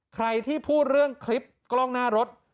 ใครที่พูดเรื่องคลิปกล้องหน้ารถ